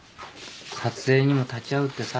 撮影にも立ち会うってさ。